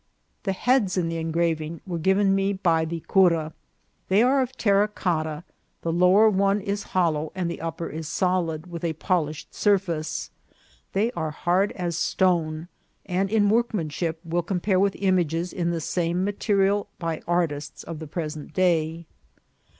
The heads in the engraving were given me by the cura. They are of terra cotta ; the lower one is hol low and the upper is solid, with a polished surface. They are hard as stone, and in workmanship will com pare with images in the same material by artists of the present day.